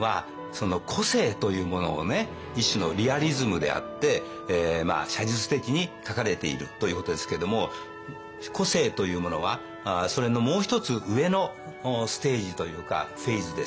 一種のリアリズムであって写実的に描かれているということですけれども個性というものはそれのもう一つ上のステージというかフェーズですね。